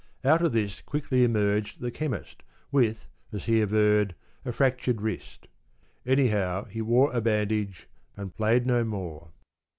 Out of this quickly emerged the Chemist with, as he averred, a fractured wrist. Anyhow, he wore a bandage, and played no more.